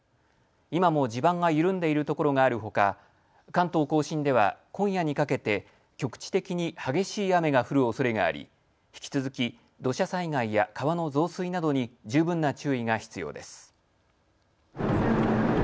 今も地盤が緩んでいるところがあるほか関東甲信では今夜にかけて局地的に激しい雨が降るおそれがあり引き続き土砂災害や川の増水などに十分な注意が必要です。